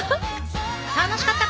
楽しかった！